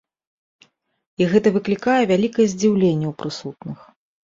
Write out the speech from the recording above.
І гэта выклікае вялікае здзіўленне ў прысутных.